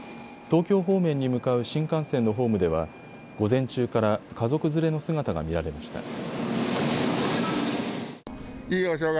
東京方面に向かう新幹線のホームでは午前中から家族連れの姿が見られました。